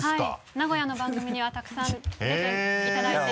名古屋の番組にはたくさん出ていただいてます。